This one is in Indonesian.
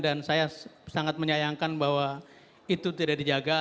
dan saya sangat menyayangkan bahwa itu tidak dijaga